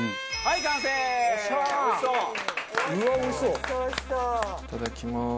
いただきます。